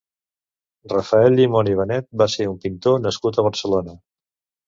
Rafael Llimona i Benet va ser un pintor nascut a Barcelona.